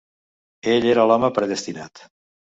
Ell era l'home predestinat.